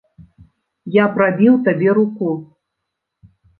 Я прабіў табе руку!